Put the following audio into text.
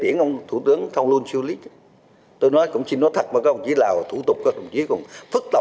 yêu cầu bệnh vụ chính phủ thống kê đôn đốc những chỉ đạo của thủ tướng về xây dựng thể chế